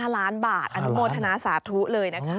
๕ล้านบาทอนุโมทนาสาธุเลยนะคะ